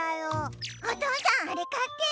おとうさんあれかって！